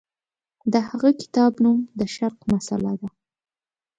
د هغه کتاب نوم د شرق مسأله ده.